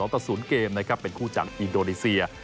ต่อ๐เกมนะครับเป็นคู่จากอินโดนีเซีย